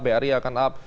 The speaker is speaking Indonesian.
bri akan up